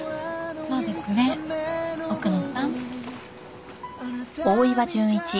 そうですね奥野さん。